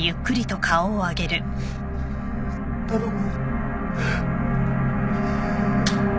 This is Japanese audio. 頼む。